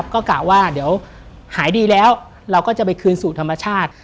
ก็กะว่าเดี๋ยวหายดีแล้วเราก็จะไปคืนสู่ธรรมชาติ